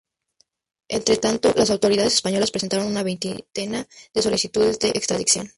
Entretanto, las autoridades españolas presentaron una veintena de solicitudes de extradición.